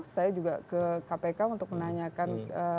saya juga ke kpk untuk menanyakan